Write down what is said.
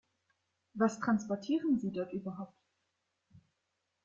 Was transportieren Sie dort überhaupt?